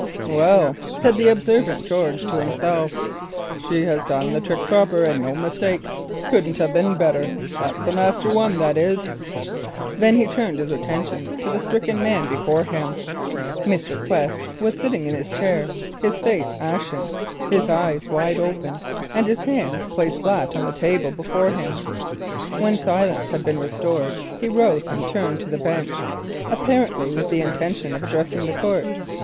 "Well," said the observant George to himself, "she hev done the trick proper, and no mistake. Couldn't have been better. That's a master one, that is." Then he turned his attention to the stricken man before him. Mr. Quest was sitting there, his face ashen, his eyes wide open, and his hands placed flat on the table before him. When silence had been restored he rose and turned to the bench apparently with the intention of addressing the court.